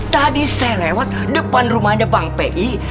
tadi saya lewat depan rumahnya bang pi